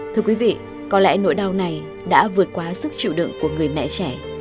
thưa quý vị có lẽ nỗi đau này đã vượt qua sức chịu đựng của người mẹ trẻ